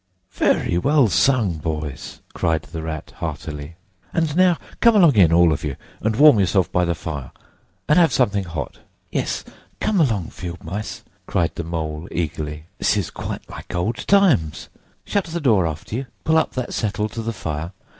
"Very well sung, boys!" cried the Rat heartily. "And now come along in, all of you, and warm yourselves by the fire, and have something hot!" "Yes, come along, field mice," cried the Mole eagerly. "This is quite like old times! Shut the door after you. Pull up that settle to the fire.